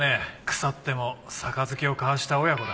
腐っても杯を交わした親子だ。